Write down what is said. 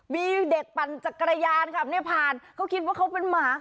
มีเด็กปั่นจักรยานขับเนี่ยผ่านเขาคิดว่าเขาเป็นหมาค่ะ